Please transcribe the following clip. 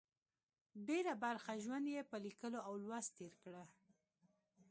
ډېره برخه ژوند یې په لیکلو او لوست تېر کړه.